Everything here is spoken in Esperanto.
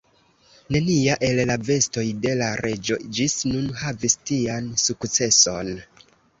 Nenia el la vestoj de la reĝo ĝis nun havis tian sukceson.